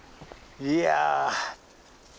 いや。